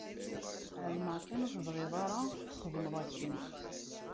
Ԑelmeɣ kan ur tebɣiḍ ara txedmeḍ akken.